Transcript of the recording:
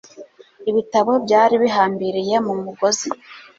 Ibitabo byari bihambiriye mu mugozi.